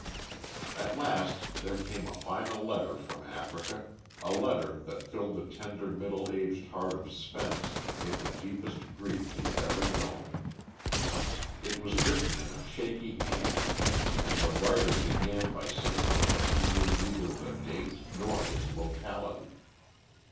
At last there came a final letter from Africa, a letter that filled the tender, middle aged heart of Spence with the deepest grief he had ever known. It was written in a shaky hand, and the writer began by saying that he knew neither the date nor his locality.